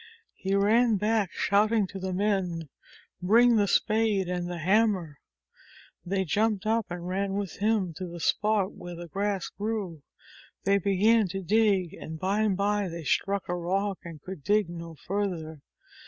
He ran back, shouting to the men, "Bring the spade and the hammer !" 28 THE SANDY ROAD They jumped up, and ran with him to the spot where the grass grew. They began to dig, and by and by they struck a rock and could dig no further.